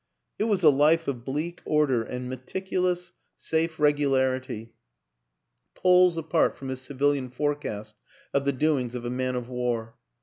... It was a life of bleak order and meticulous, safe 250 WILLIAM AN ENGLISHMAN regularity, poles apart from his civilian forecast of the doings of a man of war.